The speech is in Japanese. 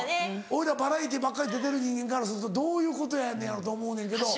俺らバラエティーばっかり出てる人間からするとどういうことやのやろうと思うねんけど。